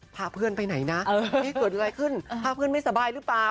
พาเพื่อนไปไหนนะเกิดอะไรขึ้นพาเพื่อนไม่สบายหรือเปล่า